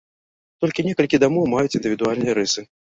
Толькі некалькі дамоў маюць індывідуальныя рысы.